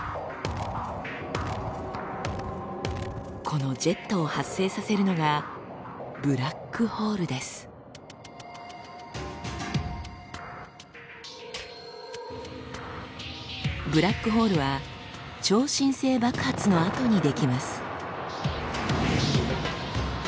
このジェットを発生させるのがブラックホールは超新星爆発のあとに出来ます。